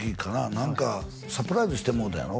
何かサプライズしてもろたやろ？